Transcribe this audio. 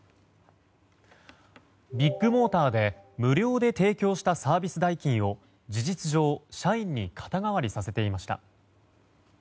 ビッグモーターで無料で提供したサービス代金を事実上社員に肩代わりさせていました。